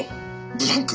ブランク！？